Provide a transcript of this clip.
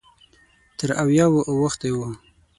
تر اویاوو اوښتی و.